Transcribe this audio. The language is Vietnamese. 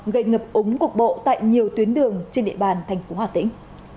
gây ngập ống cuộc bộ tại nhiều tuyến đường trên địa bàn thành phố hà tĩnh